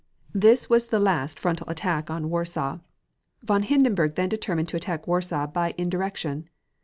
This was the last frontal attack upon Warsaw. Von Hindenburg then determined to attack Warsaw by indirection.